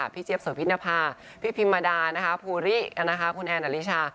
พี่เจี๊ยบสวิทย์นภาพี่พิมมาดาภูริคุณแอนอลิชา